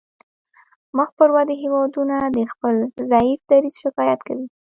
مخ پر ودې هیوادونه د خپل ضعیف دریځ شکایت کوي